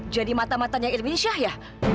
jadi mata matanya irwin syah ya